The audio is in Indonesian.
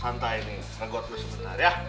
santai nih regot lu sebentar ya